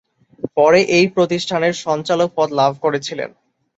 পরে এই প্রতিষ্ঠানের সঞ্চালক পদ লাভ করেছিলেন।